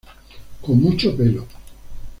Con mucho pelo.